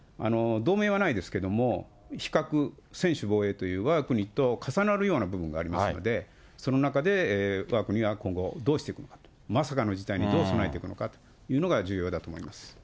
同盟はないんですけど、非核、専守防衛という、わが国と重なるような部分がありますので、その中で、わが国は今後どうしていくか、まさかの事態にどう備えていくのかというのが、重要だと思います。